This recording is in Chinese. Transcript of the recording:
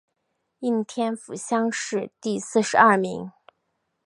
应天府乡试第四十二名。